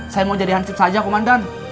saya mau jadi hansit saja komandan